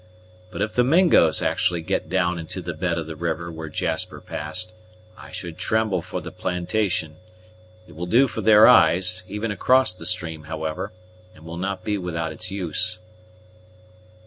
But if the Mingoes actually get down into the bed of the river where Jasper passed, I should tremble for the plantation. It will do for their eyes, even across the stream, however, and will not be without its use."